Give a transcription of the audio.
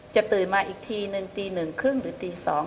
จะตื่นมาอีกทีหนึ่งตีหนึ่งครึ่งหรือตีสอง